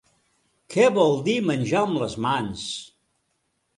Què vol dir menjar amb les mans?